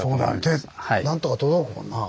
手なんとか届くもんな。